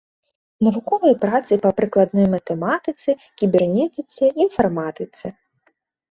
Навуковыя працы па прыкладной матэматыцы, кібернетыцы, інфарматыцы.